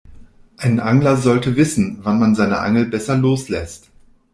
Ein Angler sollte wissen, wann man seine Angel besser loslässt.